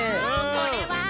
これは。